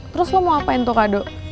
terus lu mau ngapain tuh kado